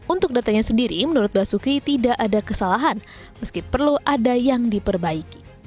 untuk datanya sendiri menurut basuki tidak ada kesalahan meski perlu ada yang diperbaiki